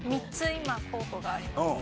今候補があります。